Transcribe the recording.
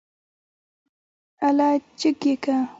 اله جګ يې که.